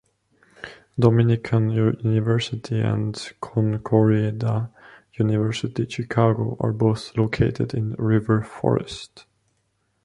Dominican University and Concordia University Chicago are both located in River Forest.